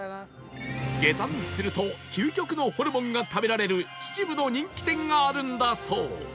下山すると究極のホルモンが食べられる秩父の人気店があるんだそう